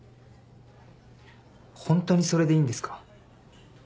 ホントにそれでいいんですか？